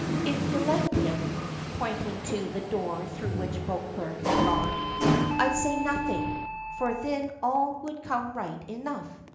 If ye liked him," pointing to the door through which Beauclerk had gone, "I'd say nothing, for thin all would come right enough.